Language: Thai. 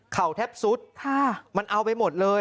แทบซุดมันเอาไปหมดเลย